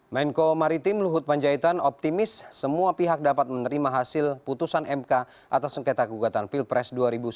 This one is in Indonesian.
menko maritim luhut panjaitan optimis semua pihak dapat menerima hasil putusan mk atas sengketa gugatan pilpres dua ribu sembilan belas